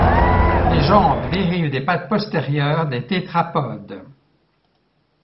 Les jambes dérivent des pattes postérieures des tétrapodes.